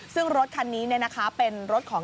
ซึ่งรถคันนี้เนี่ยนะคะเป็นรถของ